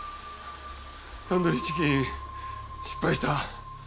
タンドリーチキン失敗した。